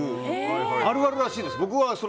あるあるらしいんです。